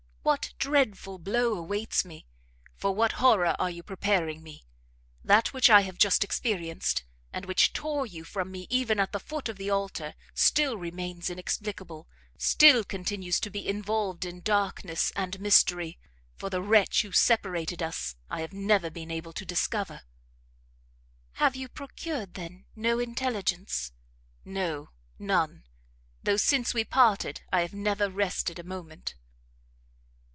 What dreadful blow awaits me? For what horror are you preparing me? That which I have just experienced, and which tore you from me even at the foot of the altar, still remains inexplicable, still continues to be involved in darkness and mystery; for the wretch who separated us I have never been able to discover." "Have you procured, then, no intelligence?" "No, none; though since we parted I have never rested a moment."